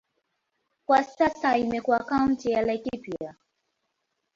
Kwa sasa imekuwa kaunti ya Laikipia.